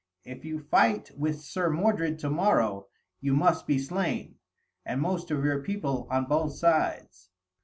If you fight with Sir Modred to morrow, you must be slain, and most of your people on both sides."